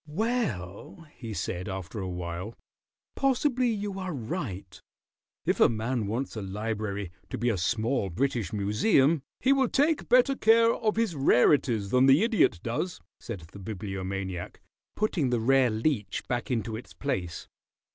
"Well," he said, after awhile, "possibly you are right. If a man wants a library to be a small British Museum " "He will take better care of his rarities than the Idiot does," said the Bibliomaniac, putting the rare Leech back into its place.